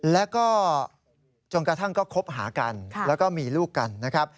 แล้วก็จนกระทั่งก็คบหากันแล้วก็มีลูกกันนะครับ